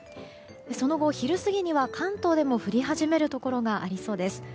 その後、昼過ぎには関東でも降り始めるところがありそうです。